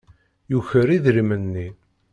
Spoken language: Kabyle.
Yuker idrimen-nni.